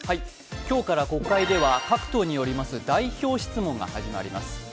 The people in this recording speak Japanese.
今日から国会では各党によります代表質問が始まります。